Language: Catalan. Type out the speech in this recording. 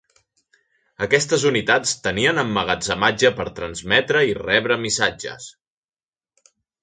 Aquestes unitats tenien emmagatzematge per transmetre i rebre missatges.